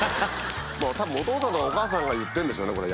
多分お父さんとかお母さんが言ってんですよね